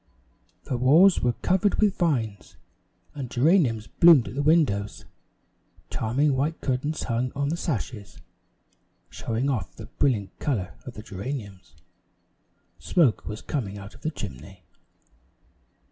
The walls were covered with vines, and geraniums bloomed at the windows. Charming white curtains hung on the sashes, showing off the brilliant color of the geraniums. Smoke was coming out of the chimney.